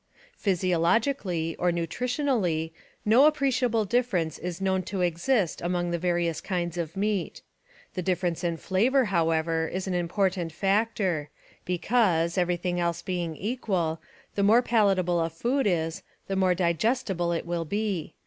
Physiologically, or nutritionally, no appreciable difference is known to exist among the various kinds of meat. The difference in flavor, however, is an important factor, because, everything else being equal, the more palatable a food is, the more digestible it will be.